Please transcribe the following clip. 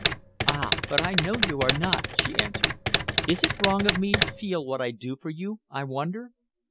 "Ah, but I know you are not," she answered. "Is it wrong of me to feel what I do for you, I wonder?